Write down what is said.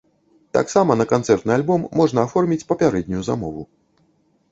Таксама на канцэртны альбом можна аформіць папярэднюю замову.